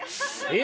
え